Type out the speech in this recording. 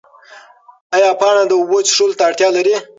ایا پاڼه د اوبو څښلو ته اړتیا لري؟